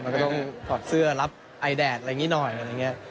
มันก็ต้องถอดเสื้อรับไอแดดอะไรอย่างนี้หน่อยอะไรอย่างนี้